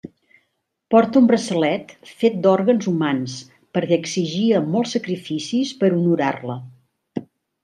Porta un braçalet fet d'òrgans humans perquè exigia molts sacrificis per honorar-la.